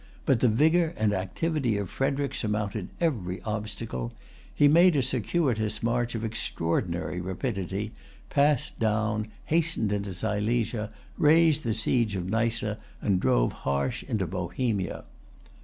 But the vigor and activity of Frederic surmounted every obstacle. He made a circuitous march of extraordinary rapidity, passed Daun, hastened into Silesia, raised the siege of Neisse, and drove Harsch into Bohemia.